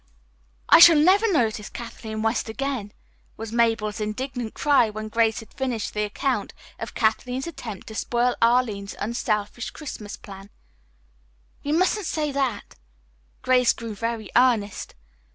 "I shall never notice Kathleen West again!" was Mabel's indignant cry when Grace had finished the account of Kathleen's attempt to spoil Arline's unselfish Christmas plan. "You mustn't say that." Grace grew very earnest.